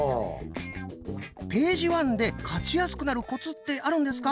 ページワンで勝ちやすくなるコツってあるんですか？